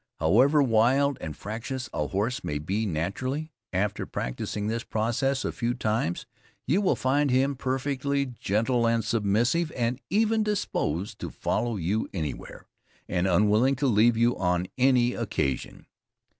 However wild and fractious a horse may be naturally, after practicing this process a few times, you will find him perfectly gentle and submissive, and even disposed to follow you anywhere, and unwilling to leave you on any occasion.